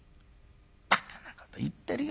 バカなこと言ってるよ